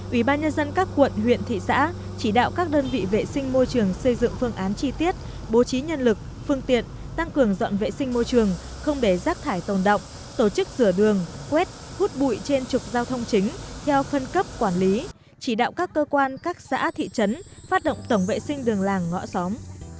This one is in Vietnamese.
ủy ban nhân dân các quận huyện thị xã chỉ đạo các đơn vị vệ sinh môi trường xây dựng phương án chi tiết bố trí nhân lực phương tiện tăng cường dọn vệ sinh môi trường không để rác thải tồn động tổ chức rửa đường quét hút bụi trên trục giao thông chính theo phân cấp quản lý chỉ đạo các cơ quan các xã thị trấn phát động tổng vệ sinh đường làng ngõ xóm